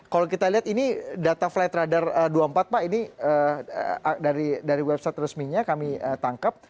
kalau kita lihat ini data flight radar dua puluh empat pak ini dari website resminya kami tangkap